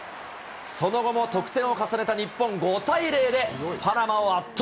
その後も得点を重ねた日本、５対０でパナマを圧倒。